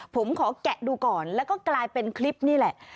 ผมขอแกะดูก่อนแล้วก็กลายเป็นคลิปนี่แหละ